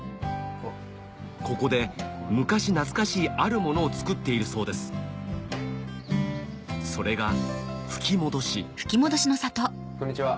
ここで昔懐かしいあるものを作っているそうですそれが吹き戻しこんにちは。